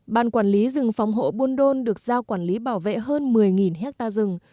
ban quản lý rừng phòng hộ buôn đôn được giao quản lý bảo vệ hơn một mươi hectare rừng